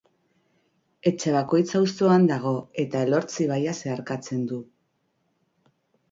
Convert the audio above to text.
Etxabakoitz auzoan dago eta Elortz ibaia zeharkatzen du.